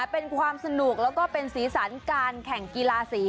เป็นความสนุกแล้วก็เป็นสีสันการแข่งกีฬาสี